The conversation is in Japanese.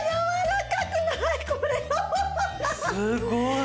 すごい。